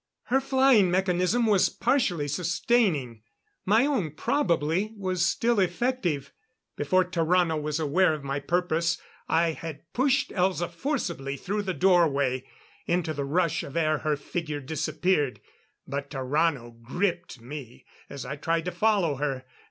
Her flying mechanism was partially sustaining; my own probably was still effective. Before Tarrano was aware of my purpose, I had pushed Elza forcibly through the doorway. Into the rush of air her figure disappeared. But Tarrano gripped me as I tried to follow her.